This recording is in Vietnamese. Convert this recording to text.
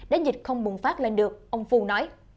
để dịch không bùng phát lên được ông phu nói